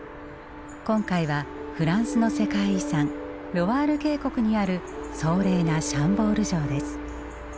今回はフランスの世界遺産ロワール渓谷にある壮麗なシャンボール城です。